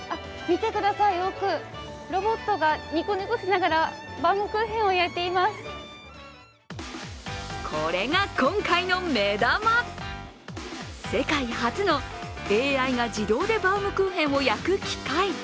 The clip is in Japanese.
見てください、奥、ロボットがニコニコしながらこれが今回の目玉、世界初のＡＩが自動でバウムクーヘンを焼く機械。